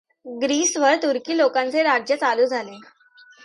ग्रीसवर तुर्की लोकांचे राज्य चालू झाले.